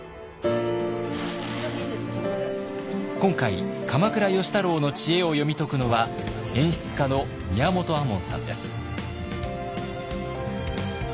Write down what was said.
今回鎌倉芳太郎の知恵を読み解くのは演出家の宮本亞門さんです。